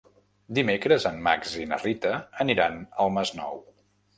Dimecres en Max i na Rita aniran al Masnou.